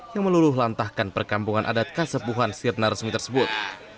yang meluluh lantahkan perkampungan adat kasepuhan sirna resmi tersebut